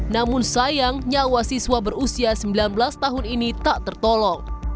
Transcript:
namun sayang nyawa siswa berusia sembilan belas tahun ini tak tertolong